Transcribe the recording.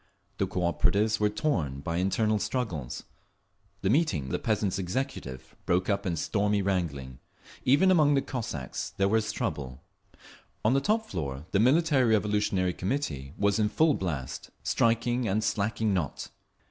The Cooperatives were torn by internal struggles; the meetings of the Peasants' Executive broke up in stormy wrangling; even among the Cossacks there was trouble…. On the top floor the Military Revolutionary Committee was in full blast, striking and slacking not.